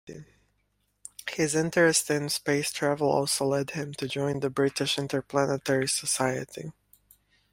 His interest in space travel also led him to join the British Interplanetary Society.